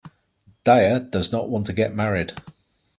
Daya does not want to get married.